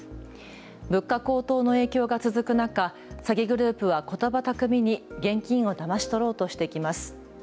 物価高騰の影響が続く中、詐欺グループはことば巧みに現金をだまし取ろうとしてきます。